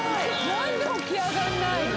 なんで起き上がらないの？